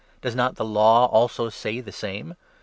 Does not the Law also say the same